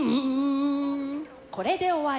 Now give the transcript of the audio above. これで終わり。